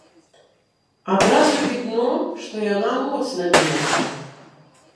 Адразу відно, што яна моцна бегла.